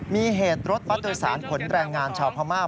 มีเหตุรถบัตรโดยสารขนแรงงานชาวพม่า